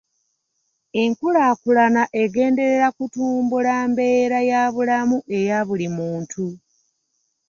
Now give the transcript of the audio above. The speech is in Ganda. Enkulaakulana egenderera kutumbula mbeera ya bulamu eya buli muntu..